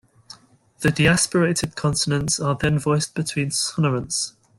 The deaspirated consonants are then voiced between sonorants.